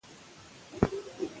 په قاچاقي لارو تل د مرګ خطر لری